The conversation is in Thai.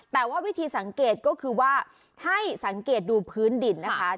แต่ว่าวิธีสังเกตก็คือว่าให้สังเกตดูพื้นดินนะคะ